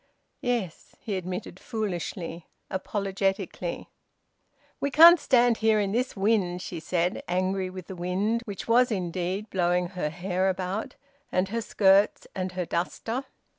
"Yes," he admitted foolishly, apologetically. "We can't stand here in this wind," she said, angry with the wind, which was indeed blowing her hair about, and her skirts and her duster.